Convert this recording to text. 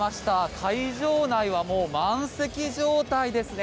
会場内はもう、満席状態ですね。